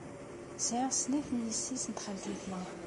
Sɛiɣ snat n yessi-s n txaltitin.